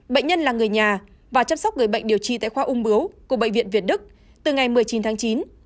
bệnh nhân là người nhà và chăm sóc người bệnh điều trị tại khoa ung bướu của bệnh viện việt đức từ ngày một mươi chín tháng chín